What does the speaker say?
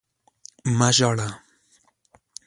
مه ژاړه!